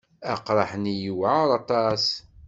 Aqraḥ-nni yewɛeṛ aṭas.